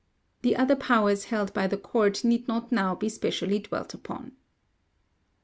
The other powers held by the court need not now be specially dwelt upon.